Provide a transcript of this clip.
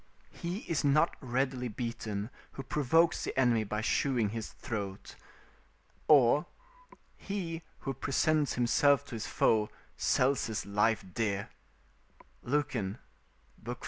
["He is not readily beaten who provokes the enemy by shewing his throat." or: "He who presents himself to his foe, sells his life dear." Lucan, iv.